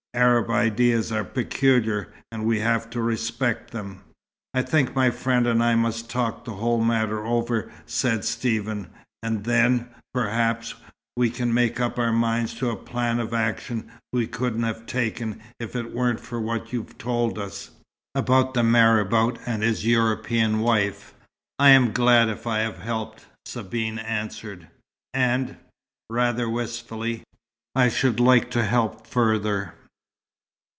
Arab ideas are peculiar; and we have to respect them." "I think my friend and I must talk the whole matter over," said Stephen, "and then, perhaps, we can make up our minds to a plan of action we couldn't have taken if it weren't for what you've told us about the marabout and his European wife." "I am glad if I have helped," Sabine answered. "And" rather wistfully "I should like to help further."